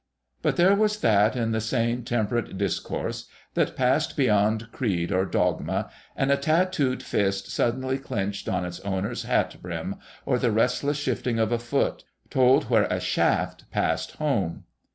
But there was that in the sane, temperate discourse that passed beyond creed or dogma, and a tatooed fist suddenly clenched on its owner's hat brim, or the restless shifting of a foot, told where a shaft passed home.